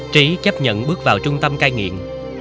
trí chấp nhận bước vào trung tâm cai nghiện